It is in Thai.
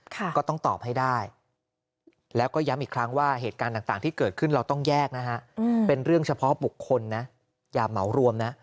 ก็ต้องตอบให้ได้แล้วก็ย้ำอีกครั้งว่าเหตุการณ์ต่างที่เกิดขึ้นเราต้องแยกนะฮะเป็นเรื่องเฉพาะบุคคลนะอย่าเหมารวมนะ